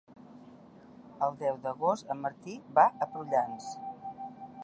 El deu d'agost en Martí va a Prullans.